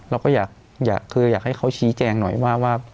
เราก็อยากอยากคืออยากให้เขาชี้แจงหน่อยว่าว่า